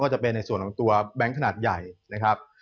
จะเป็นในส่วนของตัวแบงค์ขนาดใหญ่นะครับ